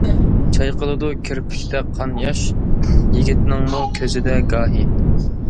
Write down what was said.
چايقىلىدۇ كىرپىكتە قان ياش، يىگىتنىڭمۇ كۆزدە گاھى.